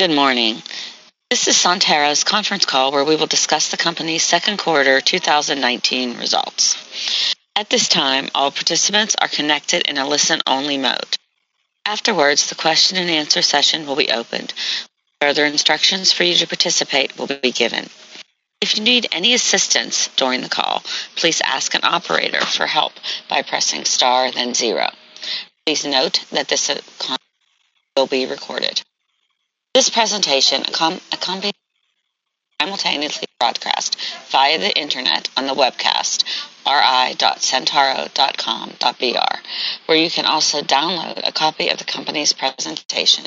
Good morning. This is Centauro's conference call where we will discuss the company's second quarter 2019 results. At this time, all participants are connected in a listen-only mode. Afterwards, the question and answer session will be opened. Further instructions for you to participate will be given. If you need any assistance during the call, please ask an operator for help by pressing star then zero. Please note that this call will be recorded. This presentation can be simultaneously broadcast via the internet on the webcast, ri.centauro.com.br where you can also download a copy of the company's presentation.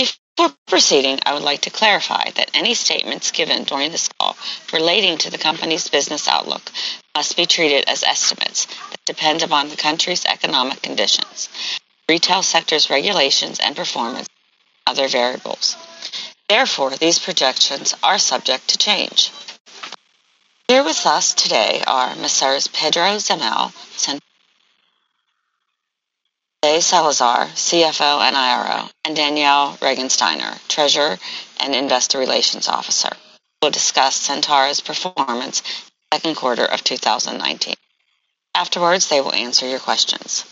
Before proceeding, I would like to clarify that any statements given during this call relating to the company's business outlook must be treated as estimates that depend upon the country's economic conditions, retail sector's regulations and performance, and other variables. Therefore, these projections are subject to change. Here with us today are Messrs. Pedro Zemel, Centauro, José Salazar, CFO and IRO, and Daniel Regensteiner, Treasurer and Investor Relations Officer, who will discuss Centauro's performance second quarter of 2019. Afterwards, they will answer your questions.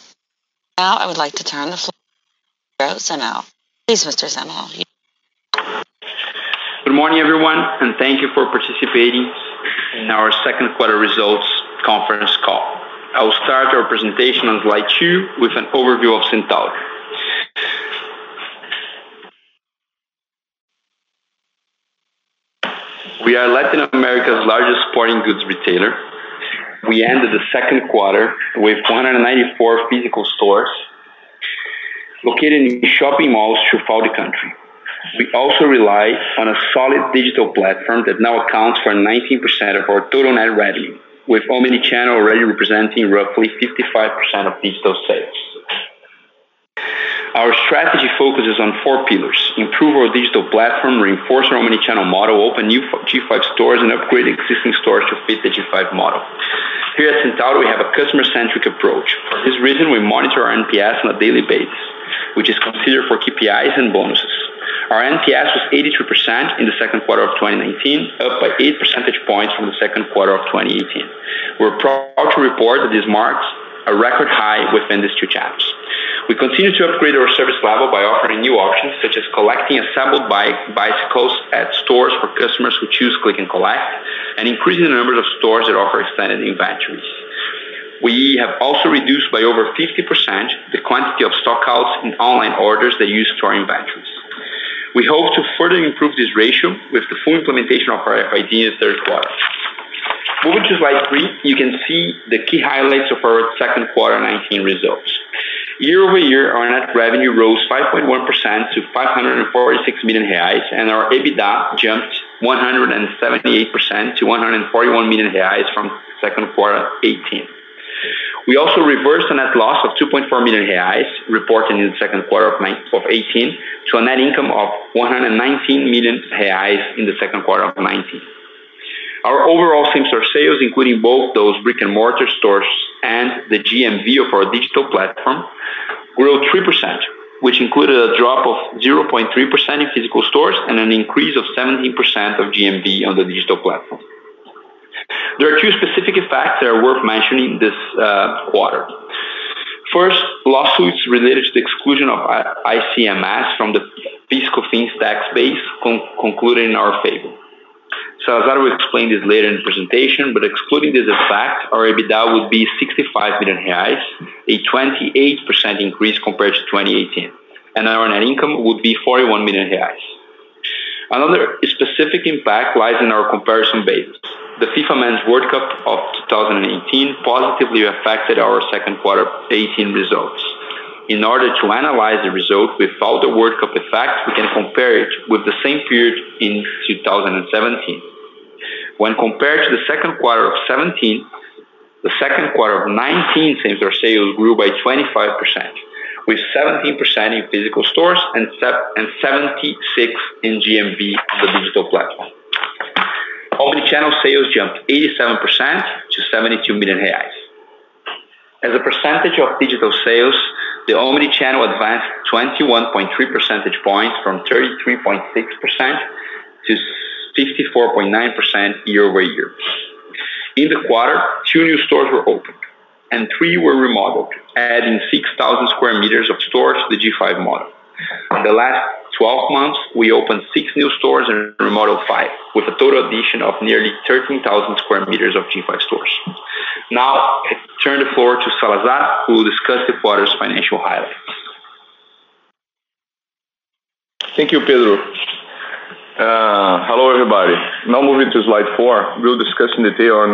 Now I would like to turn the floor to Pedro Zemel. Please, Mr. Zemel. Good morning, everyone, and thank you for participating in our second quarter results conference call. I will start our presentation on slide two with an overview of Centauro. We are Latin America's largest sporting goods retailer. We ended the second quarter with 194 physical stores located in shopping malls throughout the country. We also rely on a solid digital platform that now accounts for 19% of our total net revenue, with omni-channel already representing roughly 55% of digital sales. Our strategy focuses on four pillars: improve our digital platform, reinforce our omni-channel model, open new G5 stores, and upgrade existing stores to fit the G5 model. Here at Centauro, we have a customer-centric approach. For this reason, we monitor our NPS on a daily basis, which is considered for KPIs and bonuses. Our NPS was 82% in the second quarter of 2019, up by eight percentage points from the second quarter of 2018. We're proud to report that this marks a record high within these two channels. We continue to upgrade our service level by offering new options, such as collecting assembled bicycles at stores for customers who choose click and collect, and increasing the number of stores that offer extended inventories. We have also reduced by over 50% the quantity of stock outs in online orders that use store inventories. We hope to further improve this ratio with the full implementation of our ideas third quarter. Moving to slide three, you can see the key highlights of our second quarter 2019 results. Year-over-year, our net revenue rose 5.1% to 546 million reais, and our EBITDA jumped 178% to 141 million reais from second quarter of 2018. We also reversed a net loss of 2.4 million reais reported in the second quarter of 2018 to a net income of 119 million reais in the second quarter of 2019. Our overall same-store sales, including both those brick-and-mortar stores and the GMV of our digital platform, grew 3%, which included a drop of 0.3% in physical stores and an increase of 17% of GMV on the digital platform. There are two specific effects that are worth mentioning this quarter. First, lawsuits related to the exclusion of ICMS from the PIS/COFINS tax base concluded in our favor. Salazar will explain this later in the presentation, but excluding this effect, our EBITDA would be 65 million reais, a 28% increase compared to 2018. Our net income would be 41 million reais. Another specific impact lies in our comparison basis. The FIFA Men's World Cup of 2018 positively affected our second quarter of 2018 results. In order to analyze the result without the World Cup effect, we can compare it with the same period in 2017. When compared to the second quarter of 2017, the second quarter of 2019 same-store sales grew by 25%, with 17% in physical stores and 76 in GMV on the digital platform. Omni-channel sales jumped 87% to 72 million reais. As a percentage of digital sales, the omni-channel advanced 21.3 percentage points from 33.6% to 54.9% year-over-year. In the quarter, two new stores were opened and three were remodeled, adding 6,000 square meters of stores to the G5 model. In the last 12 months, we opened six new stores and remodeled five, with a total addition of nearly 13,000 square meters of G5 stores. Now I turn the floor to Salazar, who will discuss the quarter's financial highlights. Thank you, Pedro. Hello, everybody. Now moving to slide four, we'll discuss in detail our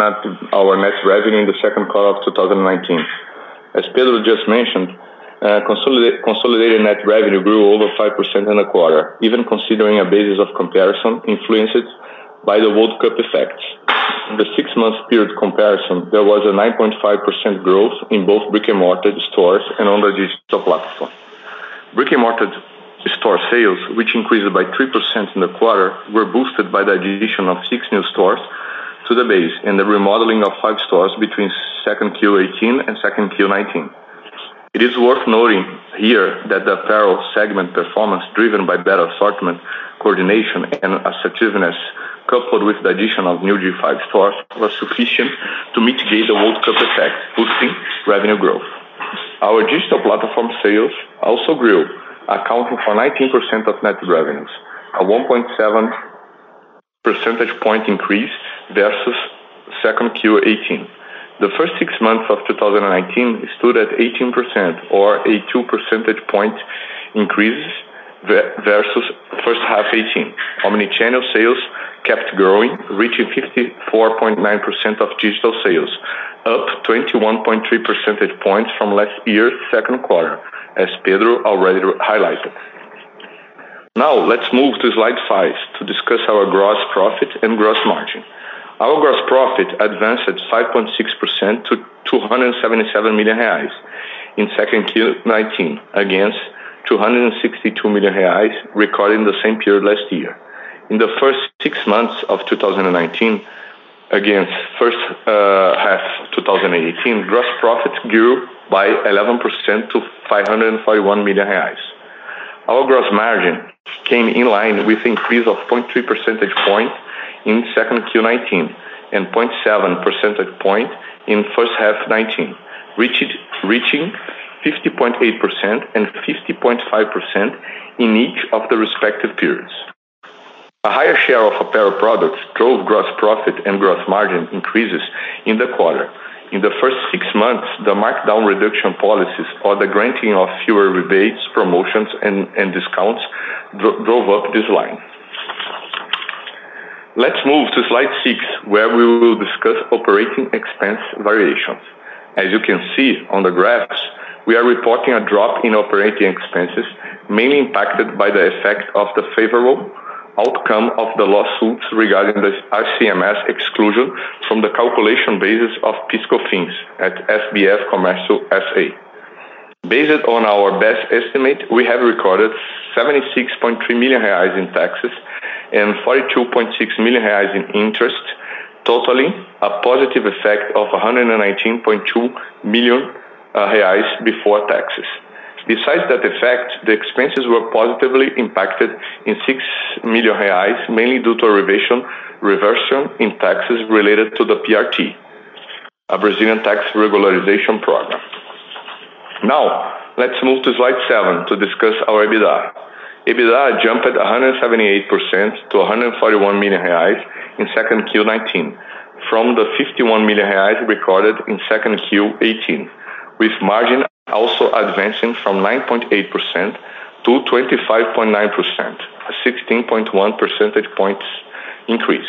net revenue in the second quarter of 2019. As Pedro just mentioned, consolidated net revenue grew over 5% in the quarter, even considering a basis of comparison influenced by the World Cup effects. In the six-month period comparison, there was a 9.5% growth in both brick-and-mortar stores and on the digital platform. Brick-and-mortar store sales, which increased by 3% in the quarter, were boosted by the addition of six new stores. To the base and the remodeling of five stores between 2Q18 and 2Q19. It is worth noting here that the apparel segment performance, driven by better assortment, coordination, and assertiveness, coupled with the addition of new G5 stores, was sufficient to mitigate the World Cup effect, boosting revenue growth. Our digital platform sales also grew, accounting for 19% of net revenues, a 1.7 percentage point increase versus 2Q18. The first six months of 2019 stood at 18%, or a two percentage point increase versus 1H18. Omni-channel sales kept growing, reaching 54.9% of digital sales, up 21.3 percentage points from last year's second quarter, as Pedro already highlighted. Let's move to slide five to discuss our gross profit and gross margin. Our gross profit advanced 5.6% to 277 million reais in 2Q19 against 262 million reais recorded in the same period last year. In the first six months of 2019 against first half 2018, gross profit grew by 11% to 541 million reais. Our gross margin came in line with increase of 0.3 percentage points in second Q19 and 0.7 percentage point in first half 19, reaching 50.8% and 50.5% in each of the respective periods. A higher share of apparel products drove gross profit and gross margin increases in the quarter. In the first six months, the markdown reduction policies or the granting of fewer rebates, promotions, and discounts drove up this line. Let's move to slide six, where we will discuss operating expense variations. As you can see on the graphs, we are reporting a drop in operating expenses, mainly impacted by the effect of the favorable outcome of the lawsuits regarding the ICMS exclusion from the calculation basis of PIS/COFINS at SBF Comércio S.A. Based on our best estimate, we have recorded 76.3 million reais in taxes and 42.6 million reais in interest, totaling a positive effect of 119.2 million reais before taxes. Besides that effect, the expenses were positively impacted in 6 million reais, mainly due to a reversion in taxes related to the PRT, a Brazilian tax regularization program. Now, let's move to slide seven to discuss our EBITDA. EBITDA jumped 178% to 141 million reais in second Q19 from the 51 million reais recorded in second Q18, with margin also advancing from 9.8% to 25.9%, a 16.1 percentage points increase.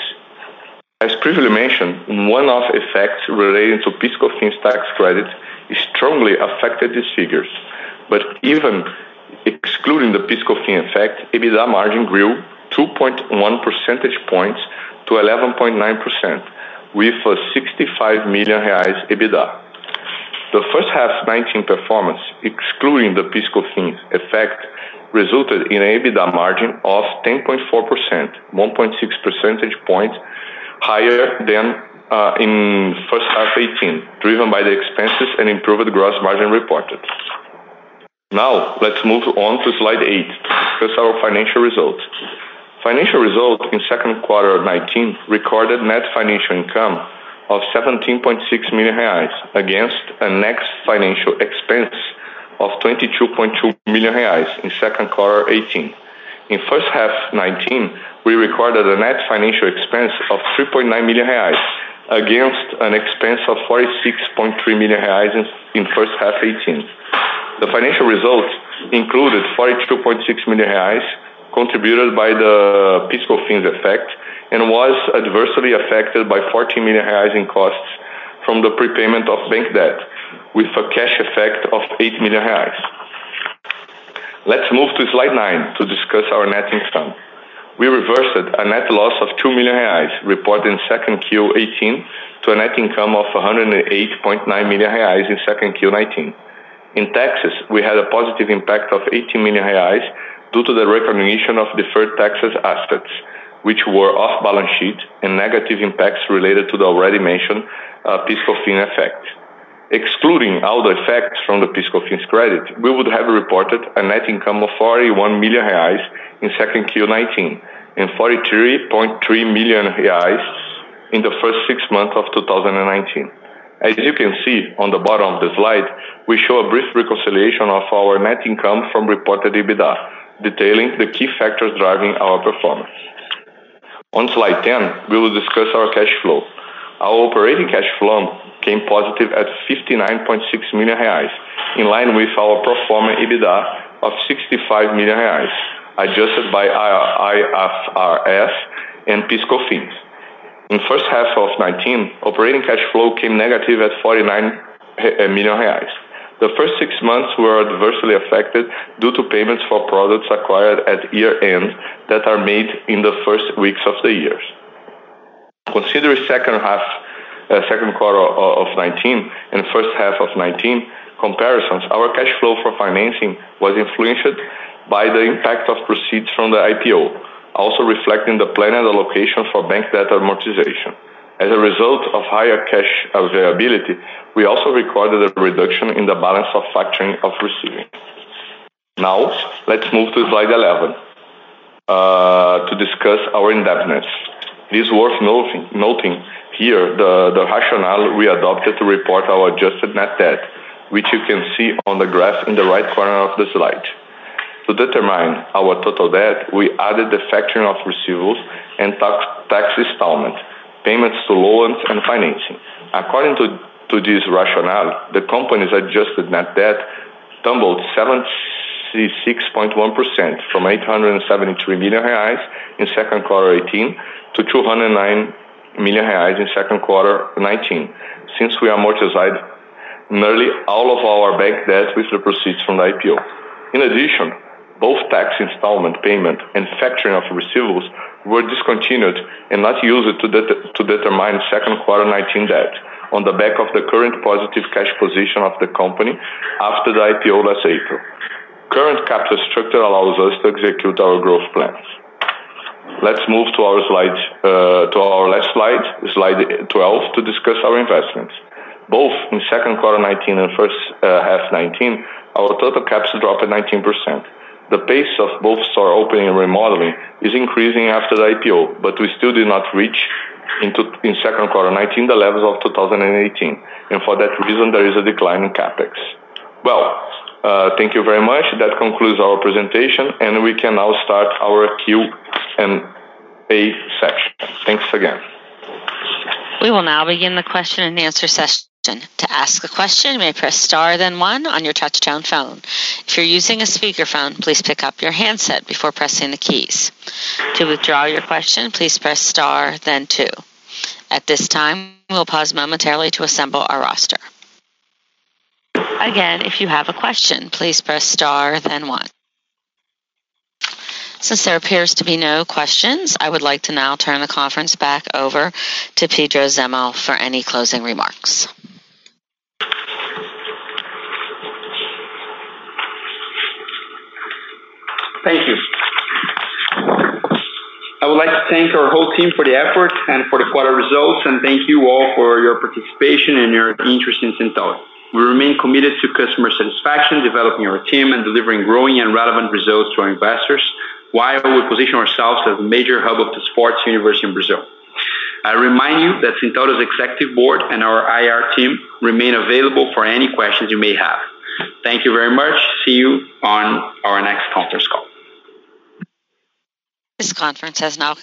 As previously mentioned, one-off effects relating to PIS/COFINS tax credit strongly affected these figures. Even excluding the PIS/COFINS effect, EBITDA margin grew 2.1 percentage points to 11.9% with a 65 million reais EBITDA. The first half 2019 performance, excluding the PIS/COFINS effect, resulted in an EBITDA margin of 10.4%, 1.6 percentage points higher than in first half 2018, driven by the expenses and improved gross margin reported. Now, let's move on to slide eight to discuss our financial results. Financial result in second quarter 2019 recorded net financial income of 17.6 million reais against a net financial expense of 22.2 million reais in second quarter 2018. In first half 2019, we recorded a net financial expense of 3.9 million reais against an expense of 46.3 million reais in first half 2018. The financial results included 42.6 million reais contributed by the PIS/COFINS effect and was adversely affected by 14 million reais in costs from the prepayment of bank debt with a cash effect of 8 million reais. Let's move to slide nine to discuss our net income. We reversed a net loss of 2 million reais reported in 2Q18 to a net income of 108.9 million reais in 2Q19. In taxes, we had a positive impact of 18 million reais due to the recognition of deferred taxes assets, which were off balance sheet and negative impacts related to the already mentioned PIS/COFINS effect. Excluding all the effects from the PIS/COFINS credit, we would have reported a net income of 41 million reais in 2Q19 and 43.3 million reais in the first six months of 2019. As you can see on the bottom of the slide, we show a brief reconciliation of our net income from reported EBITDA, detailing the key factors driving our performance. On slide 10, we will discuss our cash flow. Our operating cash flow came positive at 59.6 million reais, in line with our pro forma EBITDA of 65 million reais, adjusted by IFRS and PIS/COFINS. In first half of 2019, operating cash flow came negative at 49 million reais. The first six months were adversely affected due to payments for products acquired at year-end that are made in the first weeks of the year. Considering second quarter of 2019 and first half of 2019 comparisons, our cash flow for financing was influenced by the impact of proceeds from the IPO, also reflecting the planned allocation for bank debt amortization. As a result of higher cash availability, we also recorded a reduction in the balance of factoring of receivables. Now, let's move to slide 11 to discuss our indebtedness. It is worth noting here the rationale we adopted to report our adjusted net debt, which you can see on the graph in the right corner of the slide. To determine our total debt, we added the factoring of receivables and tax installments, payments to loans, and financing. According to this rationale, the company's adjusted net debt tumbled 76.1%, from 873 million reais in second quarter 2018 to 209 million reais in second quarter 2019, since we amortized nearly all of our bank debt with the proceeds from the IPO. In addition, both tax installment payment and factoring of receivables were discontinued and not used to determine second quarter 2019 debt on the back of the current positive cash position of the company after the IPO last April. Current capital structure allows us to execute our growth plans. Let's move to our last slide 12, to discuss our investments. Both in second quarter 2019 and first half 2019, our total CapEx dropped 19%. The pace of both store opening and remodeling is increasing after the IPO, but we still did not reach, in second quarter 2019, the levels of 2018. For that reason, there is a decline in CapEx. Well, thank you very much. That concludes our presentation, and we can now start our Q&A session. Thanks again. We will now begin the question and answer session. To ask a question, you may press star then one on your touchtone phone. If you're using a speakerphone, please pick up your handset before pressing the keys. To withdraw your question, please press star then two. At this time, we'll pause momentarily to assemble our roster. Again, if you have a question, please press star then one. Since there appears to be no questions, I would like to now turn the conference back over to Pedro Zemel for any closing remarks. Thank you. I would like to thank our whole team for the effort and for the quarter results. Thank you all for your participation and your interest in Centauro. We remain committed to customer satisfaction, developing our team, and delivering growing and relevant results to our investors, while we position ourselves as a major hub of the sports universe in Brazil. I remind you that Centauro's executive board and our IR team remain available for any questions you may have. Thank you very much. See you on our next conference call. This conference has now concluded.